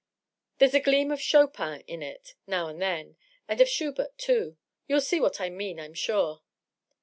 " There's a gleam of Chopin in it, now and then, and of Schubert, too .. you'll see what I mean, I'm sure."